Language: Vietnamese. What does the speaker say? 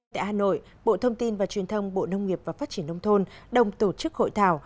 tại hà nội bộ thông tin và truyền thông bộ nông nghiệp và phát triển nông thôn đồng tổ chức hội thảo